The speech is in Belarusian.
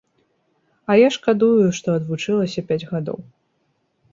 А я шкадую, што адвучылася пяць гадоў.